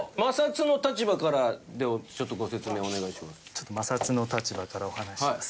ちょっと摩擦の立場からお話しします。